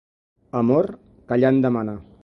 Amor, callant demana.